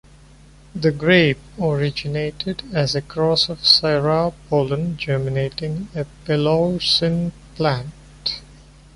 The grape originated as a cross of Syrah pollen germinating a Peloursin plant.